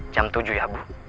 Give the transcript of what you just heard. jam tujuh ya bu